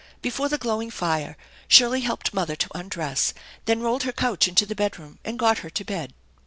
Before the glowing fire Shirley helped mother to undress, then rolled her couch into the bedroom and got her to bed.